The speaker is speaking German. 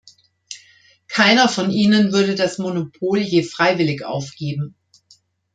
Keiner von ihnen würde das Monopol je freiwillig aufgeben.